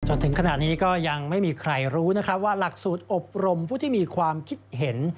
จนถึงขณะนี้ก็ยังไม่มีใครรู้นะครับว่าหลักสูตรอบรมผู้ที่มีความคิดเห็น